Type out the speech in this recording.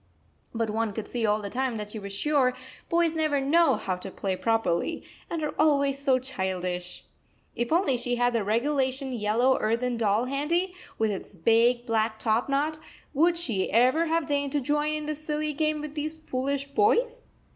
But one could see all the time that she was sure boys never know how to play properly, and are always so childish! If only she had the regulation yellow earthen doll handy, with its big, black top knot, would she ever have deigned to join in this silly game with these foolish boys?